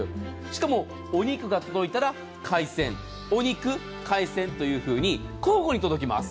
しかもお肉が届いたら海鮮お肉、海鮮というふうに交互に届きます。